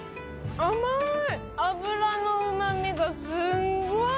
甘い脂のうまみがすごい。